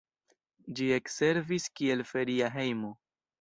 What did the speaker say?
Ĝi ekservis kiel feria hejmo.